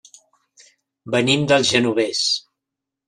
Venim del Genovés.